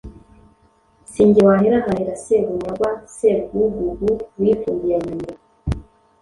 Sinjye wahera, hahera Sebunyagwa Sebwugugu wifungiye amayira